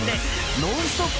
ノンストップ！